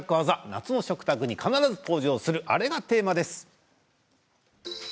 夏の食卓に必ず登場する、あれがテーマです。